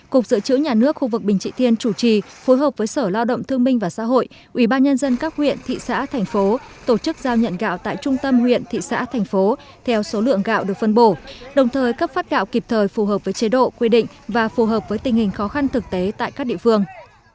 cục dự trữ nhà nước khu vực bình trị thiên chủ trì phối hợp với sở lao động thương minh và xã hội ubnd các huyện thị xã thành phố tổ chức giao nhận gạo tại trung tâm huyện thị xã thành phố theo số lượng gạo được phân bổ đồng thời cấp phát gạo kịp thời phù hợp với chế độ quy định và phù hợp với tình hình khó khăn thực tế tại các địa phương